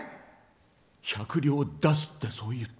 １００両出すって、そう言った。